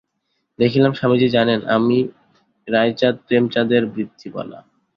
দেখিলাম, স্বামীজি জানেন আমি রায়চাঁদ-প্রেমচাঁদের বৃত্তিওয়ালা।